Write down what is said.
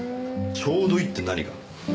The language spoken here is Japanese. ちょうどいいって何が？